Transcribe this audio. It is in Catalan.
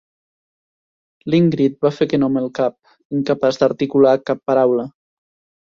L'Ingrid va fer que no amb el cap, incapaç d'articular cap paraula.